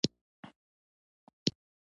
افغانستان د مس کوربه دی.